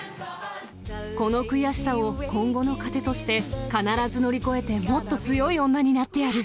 この悔しさを今後の糧として、必ず乗り越えて、もっと強い女になってやる！